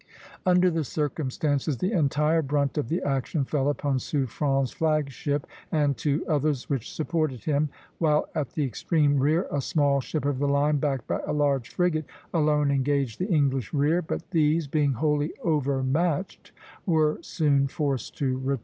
Under the circumstances the entire brunt of the action fell upon Suffren's flag ship (a) and two others which supported him; while at the extreme rear a small ship of the line, backed by a large frigate, alone engaged the English rear; but these, being wholly overmatched, were soon forced to retire.